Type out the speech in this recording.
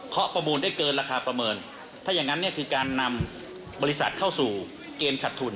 เขาประมูลได้เกินราคาประเมินถ้าอย่างนั้นเนี่ยคือการนำบริษัทเข้าสู่เกณฑ์ขัดทุน